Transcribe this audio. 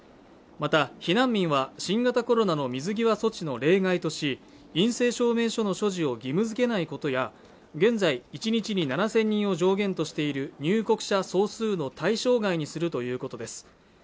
また避難民は新型コロナの水際措置の例外とし陰性証明書の所持を義務付けないことや現在１日に７０００人を上限としている入国者総数の対象外にするということです